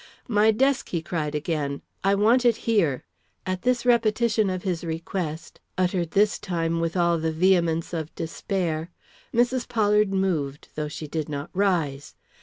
"My desk!" he cried again; "I want it here." At this repetition of his request, uttered this time with all the vehemence of despair. Mrs. Pollard moved, though she did not rise.